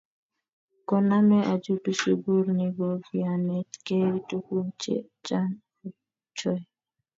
Koname achutu sukuli ni ko kianetkei tugun che chan ochei.